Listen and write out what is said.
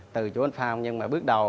từ chỗ anh phong nhưng mà bước đầu